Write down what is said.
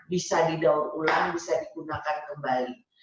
bisa didaur ulang bisa digunakan kembali